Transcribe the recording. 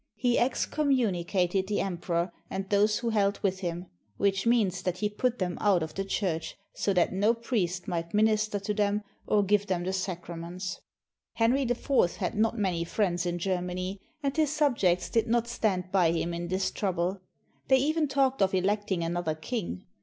He excommunicated the Emperor and those who held with him, which means that he put them out of the Church, so that no priest might minister to them or give them the sacraments. Henry IV had not many friends in Germany, and his subjects did not stand by him in this trouble. They even talked of electing another king.